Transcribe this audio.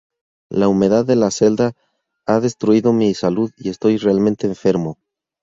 La humedad de la celda ha destruido mi salud y estoy realmente enfermo.